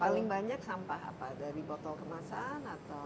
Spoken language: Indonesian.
paling banyak sampah apa dari botol kemasan atau